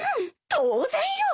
当然よ。